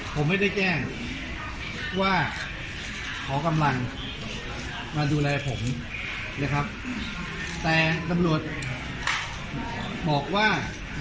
ผมไม่ได้แจ้งว่าขอกำลังมาดูแลผมนะครับแต่ตำรวจบอกว่า